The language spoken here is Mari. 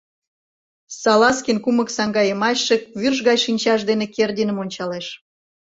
Салазкин кумык саҥгайымачше вӱрж гай шинчаж дене Кердиным ончалеш.